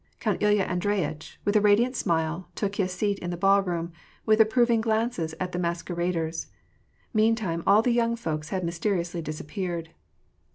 Count Ilya Andre3ritch, with a radiant smile, took his seat in the ballroom, with approving glances at the masqueraders. Meantime, all the young folks had mysteriously disappeared.